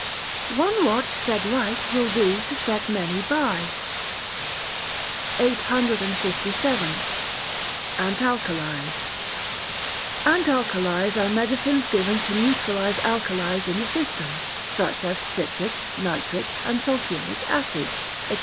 [ONE WATCH SET RIGHT WILL DO TO SET MANY BY.] 857. Antalkalies Antalkalies are medicines given to neutralize alkalies in the system, such as citric, nitric, and sulphuric, acids, &c.